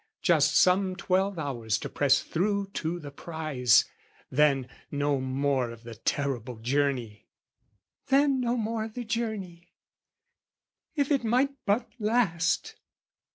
"Just some twelve hours to press through to the prize "Then, no more of the terrible journey!" "Then, "No more o' the journey: if it might but last!